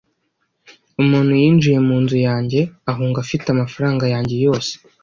Umuntu yinjiye munzu yanjye ahunga afite amafaranga yanjye yose